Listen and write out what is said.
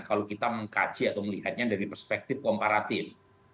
kalau kita mengkaji atau melihatnya dari perspektif komparatif